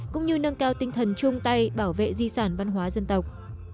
cũng như nâng cao tinh thần chung tay bảo vệ di sản văn hóa dân tộc